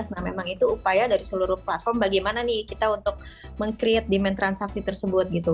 nah memang itu upaya dari seluruh platform bagaimana nih kita untuk meng create demand transaksi tersebut gitu